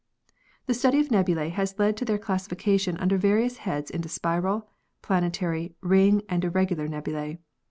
The study of nebulae has led to their classification under various heads into spiral, planetary, ring and irregular nebulae.